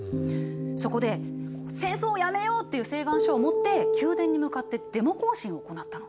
そこで「戦争をやめよう」っていう請願書を持って宮殿に向かってデモ行進を行ったの。